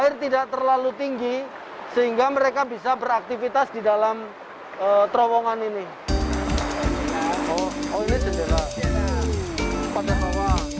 terowongan ini terlalu tinggi sehingga mereka bisa beraktivitas di dalam terowongan ini